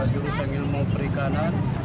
jurusan ilmu perikanan